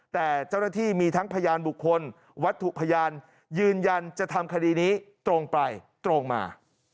แต่เจ้าหน้าที่มีทั้งพยานบุคคลวัตถุพยานยืนยันจะทำคดีนี้ตรงไปตรงมา